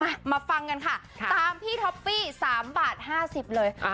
มามาฟังกันค่ะตามพี่ท็อปปี้สามบาทห้าสิบเลยอ่า